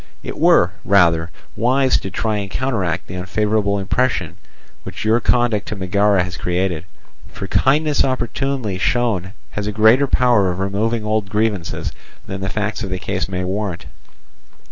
It were, rather, wise to try and counteract the unfavourable impression which your conduct to Megara has created. For kindness opportunely shown has a greater power of removing old grievances than the facts of the case may warrant.